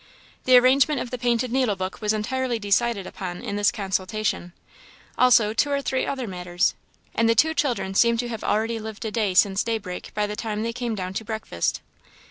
The arrangement of the painted needlebook was entirely decided upon in this consultation; also two or three other matters; and the two children seemed to have already lived a day since day break by the time they came down to breakfast.